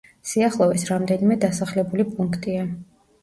სიახლოვეს რამდენიმე დასახლებული პუნქტია.